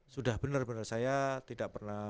sudah benar benar saya tidak pernah